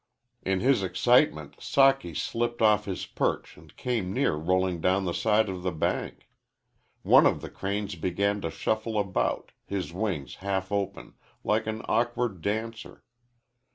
In his excitement Socky slipped off his perch and came near rolling down the side of the bank. One of the cranes began to shuffle about, his wings half open, like an awkward dancer.